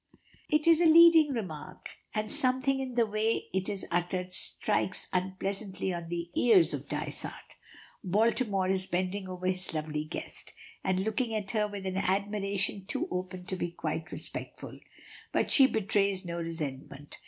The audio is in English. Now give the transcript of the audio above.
It is a leading remark, and something in the way it is uttered strikes unpleasantly on the ears of Dysart. Baltimore is bending over his lovely guest, and looking at her with an admiration too open to be quite respectful. But she betrays no resentment.